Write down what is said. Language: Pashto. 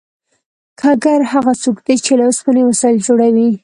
ګګر هغه څوک دی چې له اوسپنې وسایل جوړوي